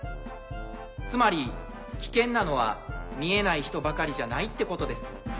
つまり危険なのは見えない人ばかりじゃないってことです。